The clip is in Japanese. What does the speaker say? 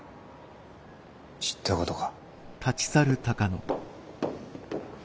知ったことか。